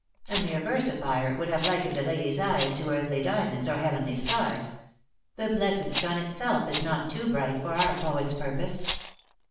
A mere versifier would have likened a lady s eyes to earthly diamonds or heavenly stars ; the blessed sun itself is not too bright for our poet s purpose.